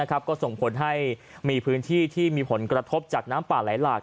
ก็ส่งผลให้มีพื้นที่ที่มีผลกระทบจากน้ำป่าไหลหลาก